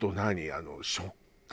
あの食感が。